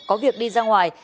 có việc đi ra ngoài